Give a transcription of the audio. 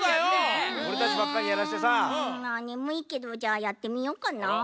ねむいけどじゃあやってみようかな。